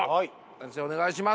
先生お願いします。